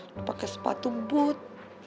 dia pakai sepatu but